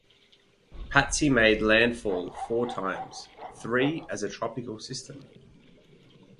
Patsy made landfall four times, three as a tropical system.